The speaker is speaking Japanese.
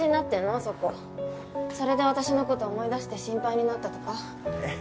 あそこそれで私のこと思い出して心配になったとかえっ